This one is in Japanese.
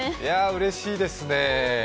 うれしいですね。